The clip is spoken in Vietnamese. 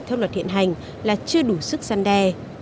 theo luật hiện hành là chưa đủ sức gian đe